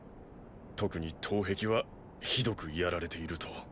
特に東壁はひどくやられていると。